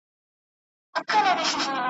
که زندان که پنجره وه نس یې موړ وو ,